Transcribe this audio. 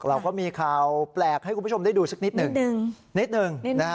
เราก็มีข่าวแปลกให้คุณผู้ชมได้ดูสักนิดหนึ่งนิดหนึ่ง